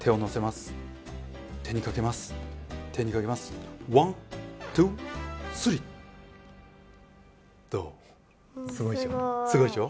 すごいでしょ。